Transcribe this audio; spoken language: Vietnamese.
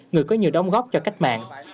người có nhiều đóng góp cho cách mạng